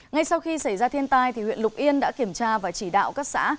ngay sau khi xảy ra thiên tai huyện lục yên đã kiểm tra và chỉ đạo các xã